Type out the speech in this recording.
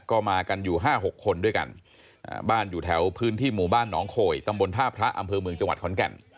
ก็มากันอยู่๕๖คนด้วยกันบ้านอยู่แถวพื้นที่หมู่บ้านหนองโขยตำบลท่าพระอำเภอเมืองจังหวัดขอนแก่น